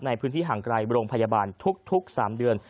ในพื้นที่ห่างไกลโรงพยาบาลทุก๓เดือน